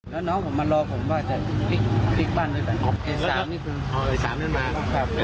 แล้วน้องผมมารอผมว่าจะพลิกบ้านด้วยก่อนอ๋อไอ้สามนี่คืออ๋อ